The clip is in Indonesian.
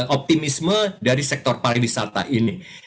optimisme dari sektor pariwisata ini